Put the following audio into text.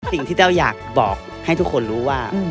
สิ่งที่แต้อยากบอกให้ทุกคนรู้ว่า